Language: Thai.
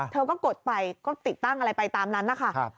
เธอก็กดไปก็ติดตั้งอะไรไปตามนั้นนะคะ